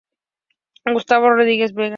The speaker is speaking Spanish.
Gustavo Rodríguez Vega